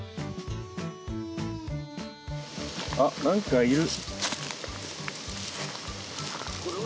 あっ何かいる。